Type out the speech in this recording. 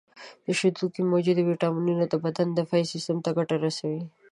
• د شیدو کې موجودې ویټامینونه د بدن دفاعي سیستم ته ګټه رسوي.